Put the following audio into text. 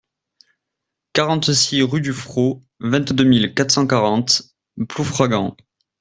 quarante-six rue du Fros, vingt-deux mille quatre cent quarante Ploufragan